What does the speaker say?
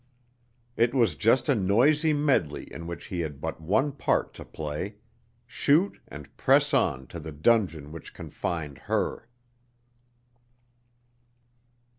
It was just a noisy medley in which he had but one part to play, shoot and press on to the dungeon which confined her.